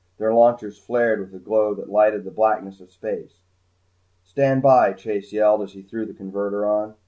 Their launchers flared with a glow that lighted the blackness of space. "Stand by!" Chase yelled as he threw the converter on.